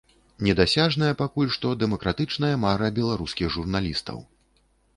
Недасяжная пакуль што дэмакратычная мара беларускіх журналістаў.